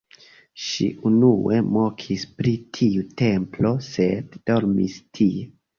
Ŝi unue mokis pri tiu templo, sed dormis tie.